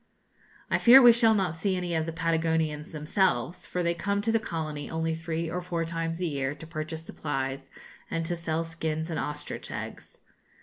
I fear we shall not see any of the Patagonians themselves, for they come to the colony only three or four times a year, to purchase supplies, and to sell skins and ostrich eggs.